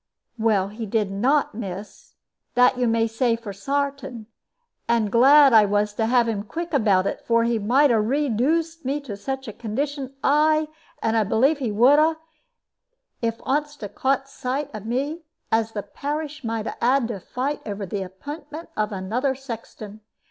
"Well, he did not, miss; that you may say for sartain. And glad I was to have him quick about it; for he might have redooced me to such a condition ay, and I believe a' would, too, if onst a' had caught sight of me as the parish might 'a had to fight over the appintment of another sexton.